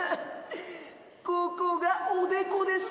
ここがおでこです